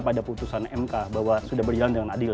pertanyaannya apa ada putusan mk bahwa sudah berjalan dengan adil